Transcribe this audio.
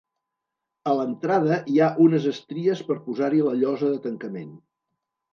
A l'entrada hi ha unes estries per posar-hi la llosa de tancament.